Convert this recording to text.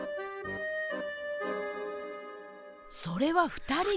それは２人が。